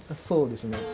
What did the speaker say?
そうですね。